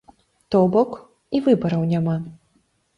То бок, і выбараў няма.